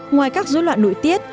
ngoài các rối loạn nội tiết